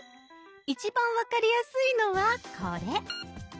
一番分かりやすいのはこれ。